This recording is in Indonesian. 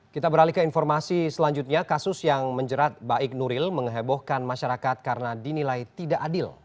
kita beralih ke informasi selanjutnya kasus yang menjerat baik nuril menghebohkan masyarakat karena dinilai tidak adil